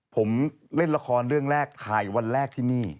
ผมเล่นละครเรื่องแรกถ่ายวันแรกที่นี่